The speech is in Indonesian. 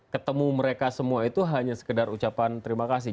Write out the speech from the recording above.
ketemu mereka semua itu hanya sekedar ucapan terima kasih